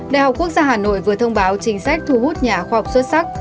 đại học quốc gia hà nội vừa thông báo chính sách thu hút nhà khoa học xuất sắc